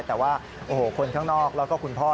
แต่ว่าโอ้โหคนข้างนอกแล้วก็คุณพ่อ